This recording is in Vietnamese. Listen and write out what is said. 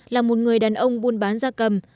là một người đàn ông buôn bán da cầm